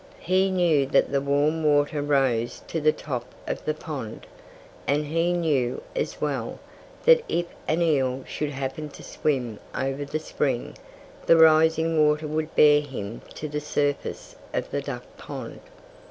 He knew that the warm water rose to the top of the pond. And he knew, as well, that if an eel should happen to swim over the spring, the rising water would bear him to the surface of the duck pond.